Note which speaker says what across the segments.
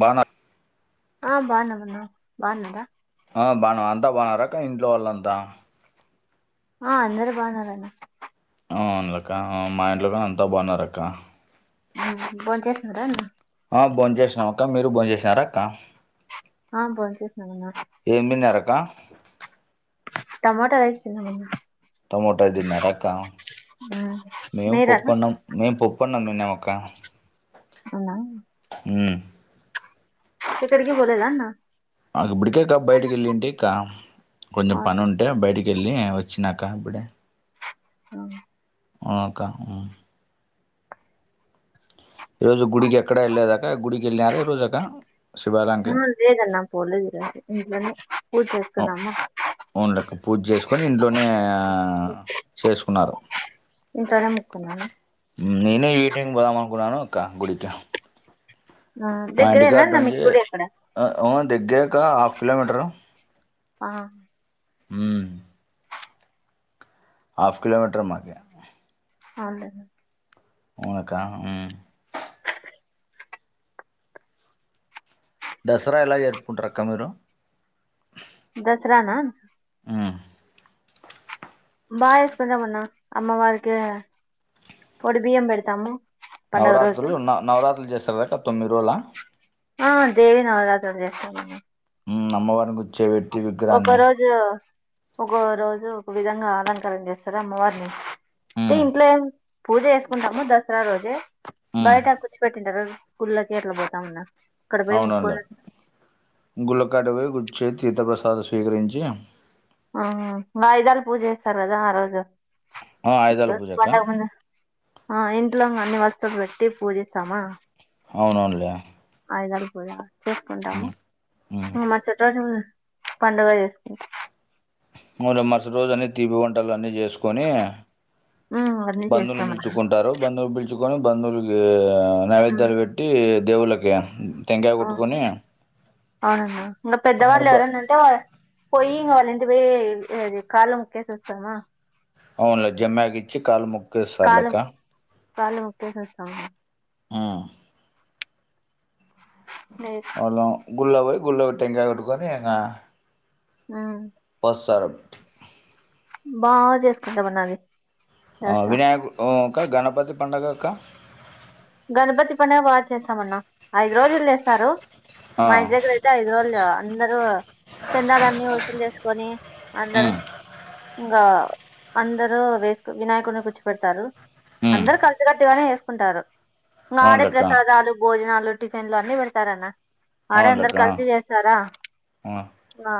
Speaker 1: బానా
Speaker 2: ఆ బానే ఉన్న న బాన్నర
Speaker 1: ఆ బానే అంతా బాగున్నారక్క ఇంట్లో వాళ్ళంతా
Speaker 2: ఆ అందరు బానేవున్నారు
Speaker 1: అవును లే అక్క మా ఇంట్లో కూడ అంతా బాగున్నారు అక్క
Speaker 2: హ్మ్ హు బొంచేసినార అన్న
Speaker 1: ఆ బొంచేసినాం అక్క మీరు బొంచేసినారక్క
Speaker 2: ఆ బొంచేసినాం అన్న
Speaker 1: ఎనిమిది నర్రక
Speaker 2: టమాట రైస్ తిన్నామన్న
Speaker 1: టమోటోది తిన్నారా అక్క మేము
Speaker 2: మీరన్న
Speaker 1: పప్పు అన్నం మేము పప్పు అన్నం తిన్నమక్క
Speaker 2: అవునా
Speaker 1: మ్మ్
Speaker 2: ఎక్కడికి పోలేదా అన్న
Speaker 1: మా ఇప్పడికే కా బయటకి వెళ్ళింటి ఇక్క కొంచెం
Speaker 2: ఆ,
Speaker 1: పని ఉంట డే బయటికి వెళ్ళి వచ్చినాక ఇప్పుడే
Speaker 2: ఆ
Speaker 1: ఆ అక్క ఈ రోజు గుడికి ఎక్కడ వెళ్ళలేదక గుడికి వెళ్ళర ఈ రోజాక శివాలయంకి
Speaker 2: లేదన్న పోలేదు [inaudible] తున్నాము
Speaker 1: ఓన్లెక్క పూజ చేసుకొని ఇంట్లోనే చేసుకున్నారు
Speaker 2: ఇంట్లోనే ముకున్న న్న
Speaker 1: మ్మ్ నేనే ఈ టైం కి పోదాం అనుకున్నాను క్కగుడికి
Speaker 2: ఆ దగ్గరేనా న్న మీకు
Speaker 1: నుంచి
Speaker 2: గుడి అక్కడ
Speaker 1: దగ్గరక హాఫ్ కిలోమీటరు
Speaker 2: ఆ
Speaker 1: మ్మ్ హాఫ్ కిలోమీటర్ మాకి
Speaker 2: అదే
Speaker 1: ఊనక్క మ్మ్ దసరా ఎలా జర్పుంటారుక్క మీరు
Speaker 2: దసరానా
Speaker 1: ఉమ్.
Speaker 2: బా చేసుకుంటాం అన్న అమ్మవారికి ఒడిబియ్యం పెడతాము పండుగ రోజు
Speaker 1: నవరాత్రులు నవ నవరాత్రులు చేస్తారు కదక్క తొమ్మిది రోజుల
Speaker 2: ఆ దేవి నవరాత్రులు చేస్తారు
Speaker 1: మ్మ్ అమ్మవారు [unintelligible]
Speaker 2: ఒక రోజు ఒక రోజు ఒక విధంగా అలంకారం చేస్తారా అమ్మవారిని అయితే ఇంట్లో పూజ చేసుకుంటాము దసరా రోజే బయట కూర్చుపెట్టింటారు గుళ్లోకిట్లా పోతాంన్నా
Speaker 1: అవునవునులే గుళ్ళకాటు పోయి గుర్చే తీర్థప్రసాదం స్వీకరించి
Speaker 2: ఆ వాయిదాలు పూజ చేస్తారు కదా ఆ రోజు
Speaker 1: ఆ, ఆయుధాల పూజక్క
Speaker 2: కొండకు ఆ ఇంట్లో అన్ని వస్తులు పెట్టి పూజ చేస్తామా
Speaker 1: అవునవునులే
Speaker 2: ఆయుధాలు పూజ చేసుకుంటాము
Speaker 1: ఉమ్, ఉమ్.
Speaker 2: మరసటి పండుగ చేసుకు
Speaker 1: మరసటి రోజు అన్నీ తీపి వంటలు అన్నీ చేసుకొని
Speaker 2: ఉమ్, అన్ని
Speaker 1: బంధువులు
Speaker 2: చేస్తాం
Speaker 1: పిల్చుకుంటారు బంధువులు పిల్చుకొని బంధువులుకి నైవేద్యాలు
Speaker 2: మనం
Speaker 1: పెట్టి దేవుళ్ళకి టెంకాయ
Speaker 2: ఆ
Speaker 1: కొట్టుకొని
Speaker 2: అవునన్నా ఇంగ
Speaker 1: అందరు
Speaker 2: పెద్దవాళ్ళు
Speaker 1: బ
Speaker 2: ఎవరన పోయియింగ వాళ్ళింటికి పోయి కాళ్ ముక్కేసి స్తమా
Speaker 1: అవునులే జమ్మ్యాకి ఇచ్చి కాలు ము
Speaker 2: కాలు కా లు ముక్కేసిస్తామ్
Speaker 1: ఆ
Speaker 2: లే
Speaker 1: మళ్ళ గుళ్ల పోయి గుళ్ల టెంకాయి కొట్టుకొని ఇంగ
Speaker 2: ఆ
Speaker 1: పసరం
Speaker 2: బా జెసుకుంటాం అన్నది
Speaker 1: ఆ వినాయకక్క గణపతి పండగక్క
Speaker 2: గణపతి పండగ బా చేస్తామన్నా ఐదు రోజులు చేస్తారు
Speaker 1: ఆ
Speaker 2: మా ఇంటి దగ్గర అయితే ఐదు రోజులు అందరు చందాలన్నీ వసూలు చేసుకొని అందరు
Speaker 1: ఉమ్
Speaker 2: ఇంగ అందరు వేసు వినాయకుడిని కుర్చు పెడతారు
Speaker 1: ఉమ్
Speaker 2: అందరు కలిసి కట్టుగానే వేసుకుంటారు నాడే
Speaker 1: అవునులెక్క
Speaker 2: ప్రసాదాలు భోజనాలు టిఫిన్లు అన్ని పెడతారన్న ఆడే అందరు
Speaker 1: అవునులెక్క
Speaker 2: కలిసి చేస్తారా
Speaker 1: ఆ
Speaker 2: ఆ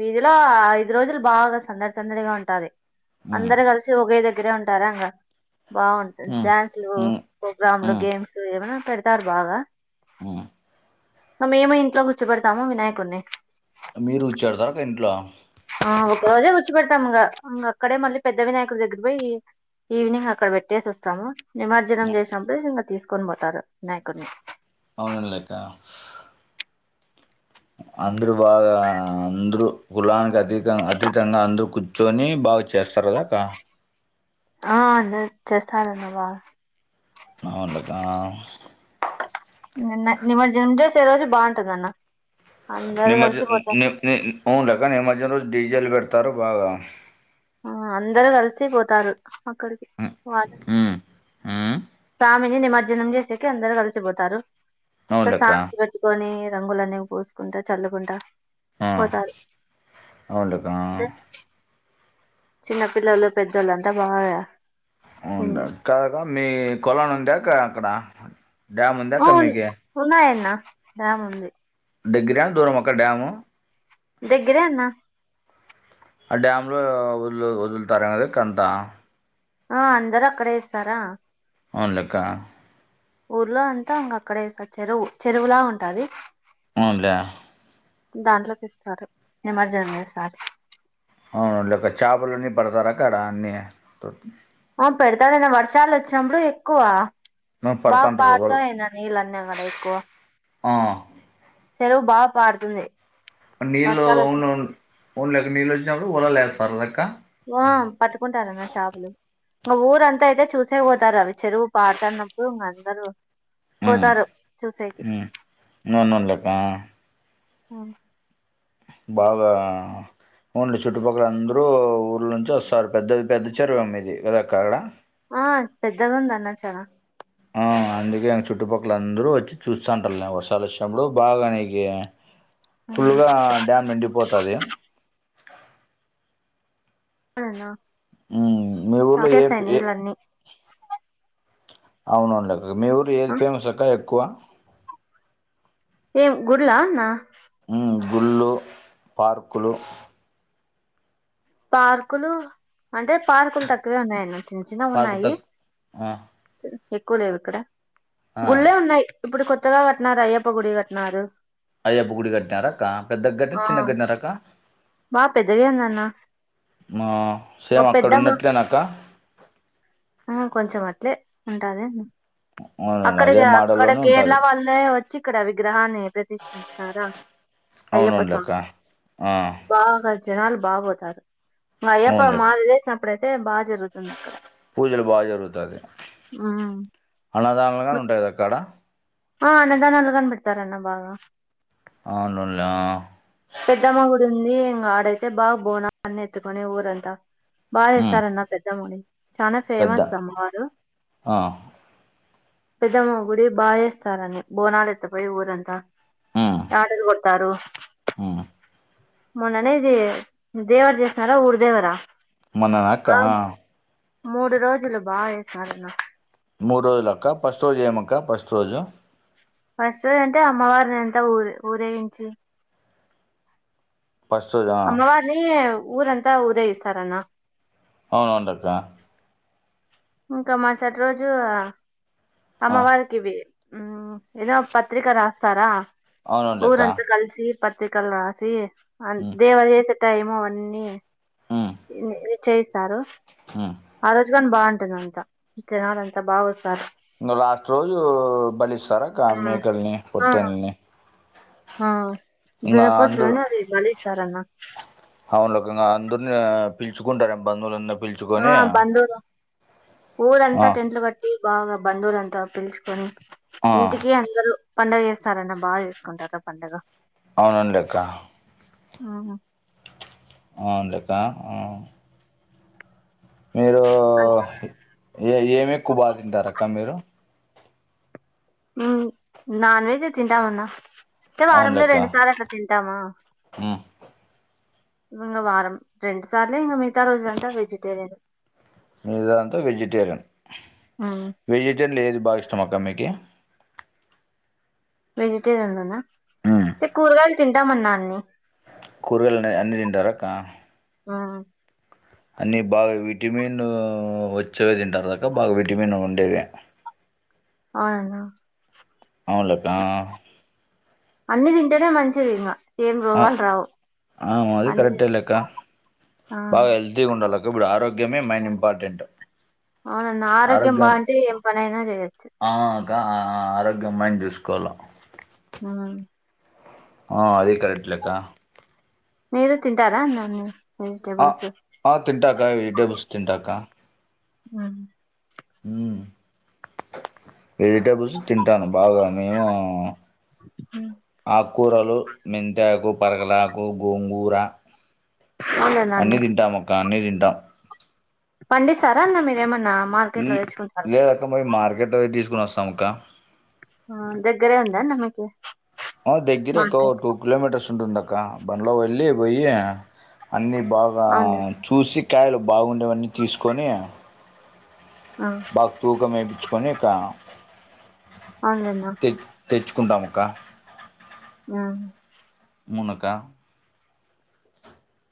Speaker 2: వీధిలో ఐదు రోజులు బాగా సందడి సందడిగా ఉంటాది
Speaker 1: ఉమ్
Speaker 2: అందరు కలిసి ఒకే దగ్గరే ఉంటారా ఇంగ బాగుంటుంది
Speaker 1: ఉమ్
Speaker 2: డ్యాన్సులు
Speaker 1: ఉమ్
Speaker 2: గ్రాంలో
Speaker 1: ఉమ్
Speaker 2: గేమ్స్ ఏమైనా పెడతారు బాగా
Speaker 1: ఆ
Speaker 2: మేము ఇంట్లో కూర్చపెడతాము వినాయకుడిని
Speaker 1: మీరు వచ్చేరు తరకా ఇంట్లో
Speaker 2: ఆ ఒక రోజే కూర్చి పెడతాం ఇంగ అక్కడే మళ్ళీ పెద్ద వినాయకుడి దగ్గర పోయి ఈవినింగ్ అక్కడ పెట్టేసి వస్తాము నిమర్జనం చేసినప్పుడు ఇంగ తీసుకొని పోతారు వినాయకుడిని
Speaker 1: అవునం లెక్క అందరు బాగా అందరూ కులానికి అతీ అతీతంగా అందరు కూర్చొని బాగ చేస్తారుగా కా
Speaker 2: ఆ అఅందరు చెస్తాలన్న బా
Speaker 1: అవున్లక
Speaker 2: నిమజడేసే రోజు బాగుంటుంది అన్న అందరు
Speaker 1: నిమజ్జ
Speaker 2: కలిసిపోతారు
Speaker 1: ని ని ఉంలేక్క నిమజ్జనం రోజు డీజెల్ పెడతారు బాగా
Speaker 2: ఆ అందరూ కలిసి పోతారు అక్కడికి వాళ్
Speaker 1: ఊ
Speaker 2: ఆమెని నిమర్జనం చేసేకి అందరు కలిసిపోతారు
Speaker 1: అవునులెక్క
Speaker 2: సాంగ్స్ పెట్టు కొని రంగులనేవి పోసుకుంటా చల్లుకుంటా
Speaker 1: ఆ
Speaker 2: పోతది
Speaker 1: అవునులెక్క
Speaker 2: హ్మ్మ్ చిన్న పిల్లోళ్ళు పెద్దోళ్ళంతా బాగా ఉన్-
Speaker 1: ఉనులే కాదా మీ కొలను ఉందాక అక్కడ డ్యామ్ ఉంద అక్క మీకి
Speaker 2: ఉన్నాయి అన్న డ్యామ్ ఉంది
Speaker 1: దెగ్గర దూరమా అక్క డ్యాము
Speaker 2: దగ్గరే అన్న
Speaker 1: ఆ డ్యామ్లో వదులు వదులుతార అక్క అంత
Speaker 2: ఆ అందరూ అక్కడే ఏస్తారా
Speaker 1: అవునులే కా
Speaker 2: ఊర్లో అంతా ఇంగ అక్కడ చెరువు చెరువులా ఉంటది
Speaker 1: అవును లే
Speaker 2: దాంట్లోకి ఇస్తారు నిమర్జనం సారి
Speaker 1: అవును అవునులేక్కా చేపలన్నీ పడతార అక్క అన్నీ
Speaker 2: ఆ పడతారు అన్న వర్షాలు వచ్చినప్పుడు ఎక్కువ
Speaker 1: ఆ,
Speaker 2: బాగ
Speaker 1: పడుతుంటారు వాళ్ళు
Speaker 2: పారుతాయి అన్నా నీళ్ళు అన్ని అక్కడ ఎక్కువ
Speaker 1: ఆ
Speaker 2: చెరువు బాగ పారుతుంది
Speaker 1: నీళ్ళు
Speaker 2: వర్షాలు వచ్చి
Speaker 1: న్ న్ అవునులెక్క నీళ్ళు వచ్చినప్పుడు వలలు వేస్తారు కదక్క
Speaker 2: ఆ పట్టుకుంటారన్న చాపలు ఇ ఊరంతా అయితే చూసే పోతారు అవి చెరువు పాడతన్నప్పుడు ఇంగ అందరూ పోతారు చూసేకి
Speaker 1: హ్మ్మ్ అవునవునులేక
Speaker 2: ఆ
Speaker 1: బాగా ఉన్లే చుట్టుపక్కల అందరూ ఊళ్ళ నుంచి వస్తారు పెద్దది పెద్ద చెరువు ఏమో మిది కదక్క అక్కడ
Speaker 2: ఆ పెద్దగుందన్న చానా
Speaker 1: హ అందుకే చుట్టుపక్కల అందరూ వచ్చి చూస్తాంటారు నేను వర్షాలు వచ్చినప్పుడు బాగా నీకి ఫుల్ల్గా డ్యామ్ నిండిపోతది
Speaker 2: అవునన్న
Speaker 1: మీ ఊర్లో ఏ
Speaker 2: తాగేస్తాయి
Speaker 1: ఏ
Speaker 2: నీళ్ళన్నీ
Speaker 1: అవును అవును లే అక్క మీ ఊరులో ఏది
Speaker 2: ఆ
Speaker 1: ఫేమస్ అక్క ఎక్కువ
Speaker 2: ఎం గుడులా అన్న
Speaker 1: హ్మ్మ్ గుళ్ళు పార్కులు
Speaker 2: పార్కులు అంటే పార్కులు తక్కువే ఉన్నాయన్న చిన్న చిన్నవి
Speaker 1: పార్కు
Speaker 2: ఉన్నాయి
Speaker 1: తక్ ఆ
Speaker 2: ఎక్కువ లేవు ఇక్కడ
Speaker 1: ఆ
Speaker 2: గుళ్ళే ఉన్నాయి ఇప్పుడు కొత్తగా కట్టినరూ అయ్యప్ప గుడి కట్టినరు
Speaker 1: అయ్యప్ప గుడి గట్టినరా అక్క పెద్దగ గట్టినార
Speaker 2: ఆ
Speaker 1: చిన్నగా గట్టినార అక్క
Speaker 2: బా పెద్దగే
Speaker 1: మా
Speaker 2: పెద్దమ్మా ఆ కొంచెం అట్లే ఉంటది
Speaker 1: అవునవును అదే
Speaker 2: అక్కడది అక్కడ
Speaker 1: మోడల్లోనే
Speaker 2: కేరళ
Speaker 1: ఉంటది
Speaker 2: వాళ్లే వచ్చి ఇక్కడ విగ్రహాన్ని రా అయ్యప్ప
Speaker 1: అవునవునులేక్క
Speaker 2: స్వామి
Speaker 1: ఆ
Speaker 2: బాగా జనాలు బాగ పోతారు అయ్యప్ప
Speaker 1: అవునులే
Speaker 2: మాల లేేసినప్పుడు అయితే బాగా జరుగుతుంది అక్కడ
Speaker 1: పూజలు బాగా జరుగుతది
Speaker 2: ఉమ్
Speaker 1: అన్నదానలు ఉంటాయి కదా అక్క ఆడా
Speaker 2: ఆ అన్నదానాలు గాన పెడతారు అన్న బాగా
Speaker 1: అవును ఉన్లే ఆ
Speaker 2: పెద్దమ్మగుడి ఉంది ఇంగా ఆడైతే బా బోనాలు అని ఎత్తుకొనీ ఊరంతా బా
Speaker 1: మ్మ్
Speaker 2: చేస్తారు అన్నా పెద్దమ్మని చానా
Speaker 1: పెద్ద
Speaker 2: ఫేమస్ అమ్మవారు
Speaker 1: ఆ
Speaker 2: పెద్దమ్మ గుడి బాయ్ ఏయ్ కానని బోనాలు ఎత్తపోయి ఊరు అంతా యాటలు కోత్తారు
Speaker 1: ఉహు
Speaker 2: మొన్నే జే దేవర చేసినారు ఊరిదేవరా
Speaker 1: మున్నన అక్క
Speaker 2: బాగా
Speaker 1: ఆ
Speaker 2: మూడు రోజులు బా చేసినారు అన్నా
Speaker 1: మూడు రోజులు అక్క ఫస్ట్ రోజు ఏమి అక్క ఫస్ట్ రోజు
Speaker 2: ఫస్ట్ రోజు అంటే అమ్మవారిని అంతా ఉర్ర్ ఊరేగించి
Speaker 1: ఫస్ట్ రోజా
Speaker 2: నీ ఊరంతా ఊరేగిస్తారు అన్న
Speaker 1: అవును అవును లే అక్క
Speaker 2: ఇంకా మరుసటి రోజు
Speaker 1: ఆ
Speaker 2: అమ్మవారికి ఇవి ఉహ్మ్ ఏదో పత్రిక రాస్తారా
Speaker 1: అవునవునులేక్క
Speaker 2: ఊరంతా కలిసి పత్రిక కల్ రాసి అ
Speaker 1: మ్మ్
Speaker 2: దేవ చేసే టైమ్ ము అని
Speaker 1: ఉ
Speaker 2: ఇ చేయిస్తారు
Speaker 1: హు
Speaker 2: ఆరోజు గాని బాగుంటుంది అంతా జనాలు అంతా బాగా వస్తార్
Speaker 1: ఇంగా లాస్ట్ రోజు బలిస్తారా అక్క
Speaker 2: ఉమ్,
Speaker 1: మేకల్ని
Speaker 2: ఆ
Speaker 1: పొట్టేల్ని
Speaker 2: ఆ జన
Speaker 1: ఇంగా
Speaker 2: పోచలు
Speaker 1: అందరు
Speaker 2: అని ఆది బలి ఇస్తారు అన్న
Speaker 1: అవును లోకోనా అందర్ని పిలుచుకుంటారు ఏమో బంధువు లందరినీ పిల్
Speaker 2: ఆ బందవులు
Speaker 1: ఆ
Speaker 2: ఊరంతా టెంట్లు కట్ బి బావా బంధువు లాంతా పిల్చుకొని
Speaker 1: ఆ
Speaker 2: ఇంటికి అందరూ పండగ చేస్తార్ అన్న బాగా చేసుకుంటారు పండగ
Speaker 1: అవును లే అక్క
Speaker 2: ఆహా
Speaker 1: అవును లే అక్క ఉ మీరు ఏ ఏమి ఎక్కువ బా తింటారు అక్క మీరు
Speaker 2: హుమ్ నాన్ వెజ్జే తింటాం అన్న అయితే వారంలో రెండుసార్లు అట్లా తింటామా
Speaker 1: హు
Speaker 2: ఇంగ వారం రెండు సార్లే ఇంగ మిగతా రోజు లాంతా వెజిటేరియన్
Speaker 1: మీతాదంత వెజిటేరియన్
Speaker 2: హ్మ్.
Speaker 1: వెజిటేరియన్ లొ ఏది బాగ ఇష్టం అక్క మీకి
Speaker 2: వెజిటేరియన్ లోనా
Speaker 1: మ్మ్
Speaker 2: అంటే కూరగాయలు తింటామన్నా అన్నీ
Speaker 1: ప్చ్ కూరగాయల్ అన్నీ తింటారా అక్క
Speaker 2: ఆ
Speaker 1: అన్నీ బాగా విటమిన్ వచ్చే వే తింటారు కధ అక్క బాగా విటమిన్ ఉండే వే
Speaker 2: ఆ అన్న
Speaker 1: అవునులే అక్క ఆ
Speaker 2: అన్నీ తింటేనే మంచిది ఇంగా ఏం
Speaker 1: ఆ!
Speaker 2: రోగాలు రావు
Speaker 1: ఆ! అది
Speaker 2: అన్ని
Speaker 1: కరెక్టే
Speaker 2: తిన్ ఆ
Speaker 1: హెల్తీ గుండాలక్క ఇబుడు ఆరోగ్యమే మెయిన్ ఇంపార్టెంట్
Speaker 2: అవునన్న ఆరోగ్యం బాంటే ఏం పనైనా జెయ్యచ్చు
Speaker 1: కా ఆరోగ్యం మైన్ జూసుకోల్ల
Speaker 2: ఊ
Speaker 1: ఆ అది కరెక్ట్లేక్క
Speaker 2: మీరు తింటారా అన్నము వెజిటేబుల్స్
Speaker 1: ఆ తింటాక వెజిటేబుల్స్ తింటాక
Speaker 2: ఆ
Speaker 1: ఉమ్ వెజిటబుల్స్ తింటాను బాగా మేము
Speaker 2: హ్మ్.
Speaker 1: ఆకూరలు మెంతాకు పరగలాకు గోంగూర
Speaker 2: అవునులేండి
Speaker 1: అన్నీ
Speaker 2: అన్ని.
Speaker 1: తింటాం అక్క అన్నీ తింటాం
Speaker 2: పండిసారా అన్న మీరేమన్నా
Speaker 1: ఉ
Speaker 2: మార్కెట్‌లో తెచ్చుకుంటారా?
Speaker 1: లేదక్క మరి మార్కెట్ల పోయి తీసుకుని వస్తాంక్క
Speaker 2: ఆ దగ్గరే ఉందాన్న మీకి
Speaker 1: ఆ దగ్గర అక్క
Speaker 2: మార్కెట్
Speaker 1: టూ కిలోమీటర్స్ ఉంటుందక్క బండ్లో వెళ్ళి పోయి అన్నీ బాగా
Speaker 2: అవునులే
Speaker 1: చూసి కాయలు బాగుండేవన్నీ తీసుకొని
Speaker 2: ఆ
Speaker 1: బాగా తూకం వేయిచ్చుకొని అక్క
Speaker 2: అవున్లెన్న
Speaker 1: తె తెచ్చుకుంటాము అక్క
Speaker 2: ఆ
Speaker 1: మునక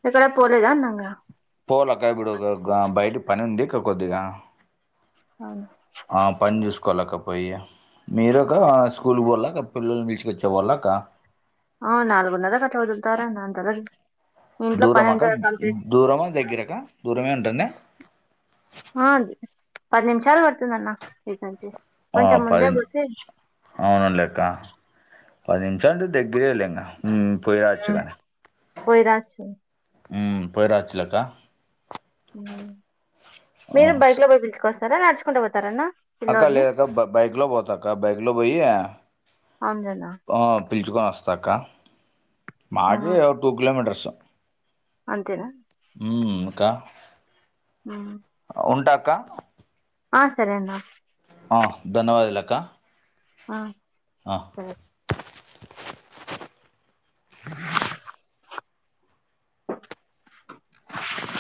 Speaker 2: ఎక్కడ పోలేదా అన్నాంగా
Speaker 1: పోలేక్క ఇప్పుడు బయటి పని ఉంది ఇక్క కొద్దిగా
Speaker 2: అవునా
Speaker 1: ఆ పని చూసుకోలకపోయి మీరక స్కూల్ పోల్ల క పిల్లల్ని పిల్చుకొచ్చేకి పొల్లాక
Speaker 2: ఆ నాల్గునర్ర కి అట్ల వొదుల్తారన్న అంతలొ
Speaker 1: దూరమాక దూరమా దగ్గరక దూరమే ఉంటుంద
Speaker 2: ఆ పది నిమిషాల్ పడుతుంది అన్న ఈట్నుంచి
Speaker 1: ఆ పది అవున లెక్క పది నిమిషాల అంటే దగ్గరేలే ఇంకా ఉమ్
Speaker 2: హ్మ్.
Speaker 1: పోయిరాచ్చుగానే
Speaker 2: పోయి రావచ్చు
Speaker 1: ఉ పోయిరాచ్చలేక్క
Speaker 2: ఉమ్ మీరే బైక్ లో పోయి పిలుచుకొస్తారా నడుచుకుంటూ పోతారా అన్న
Speaker 1: అక్క లేదాక్క బ బైక్లో పోతాక్క బైక్లో పోయి
Speaker 2: అవునలెన్నా
Speaker 1: పిలుచుకొని వస్తాక్క
Speaker 2: ఆ
Speaker 1: మాకి టూ కిలోమీటర్స్
Speaker 2: అంతేనా
Speaker 1: ఊమ్ కా
Speaker 2: ఉమ్
Speaker 1: ఉంటాక్కా
Speaker 2: ఆ సరేన్న
Speaker 1: ఆ ధన్యవాదలక్క
Speaker 2: ఆ సరే